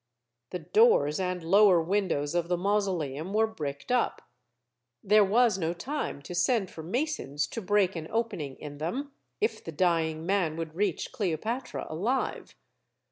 The doors and lower windows of the mausoleum were bricked up. There was no time to send for masons to break an opening in them, if the dying man would reach Cleopatra alive.